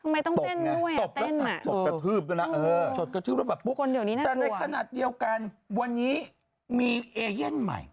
อย่างนั้นตกแต่คืบแต่ในขณะเดียวกันวันนี้มีเอเยี่ยมใหม่